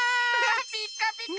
ピッカピカ！